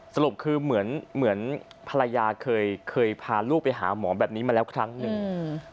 สรุปคือเหมือนภรรยาเคยพาลูกไปหาหมอแบบนี้มาแล้วครั้งหนึ่ง